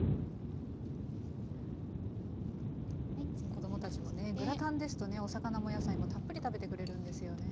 子供たちもねグラタンですとねお魚もお野菜もたっぷり食べてくれるんですよね。